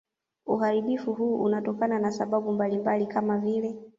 Uharibifu huu unatokana na sababu mbalimbali kama vile